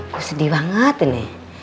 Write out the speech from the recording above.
gue sedih banget ini